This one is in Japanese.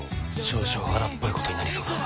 少々荒っぽいことになりそうだ。